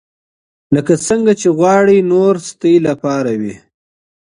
لکه څنګه چې غواړئ نور ستاسې لپاره وي.